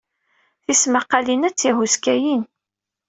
Tismaqqalin-a d tihuskayin.